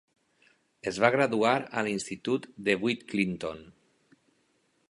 Es va graduar a l'institut DeWitt Clinton.